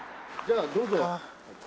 じゃあどうぞ。